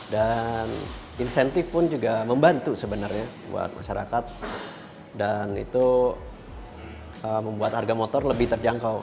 dan insentif pun juga membantu sebenarnya buat masyarakat dan itu membuat harga motor lebih terjangkau